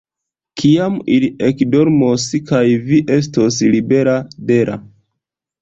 Kiam ili ekdormos kaj vi estos libera de la.